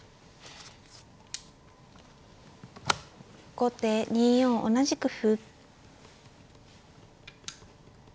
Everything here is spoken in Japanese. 後手２四同じく歩。